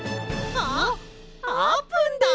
あっあーぷんです！